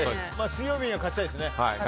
水曜日には勝ちたいですね。